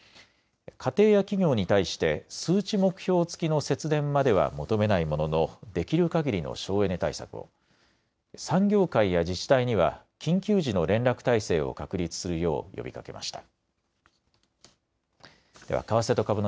家庭や企業に対して数値目標付きの節電までは求めないもののできるかぎりの省エネ対策を、産業界や自治体には緊急時の連絡体制を確立するよう呼びかけました。